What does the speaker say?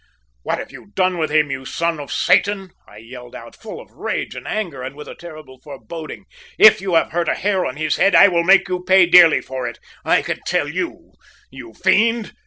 "`What have you done with him, you son of Satan?' I yelled out, full of rage and anger, and with a terrible foreboding. `If you have hurt a hair of his head I will make you pay dearly for it, I can tell you, you fiend!'